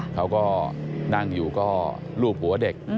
เขาก็นั่งอยู่ก็ลูบหัวเด็ก